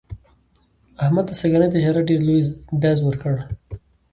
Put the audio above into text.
احمد ته سږني تجارت ډېر لوی ډز ور کړ.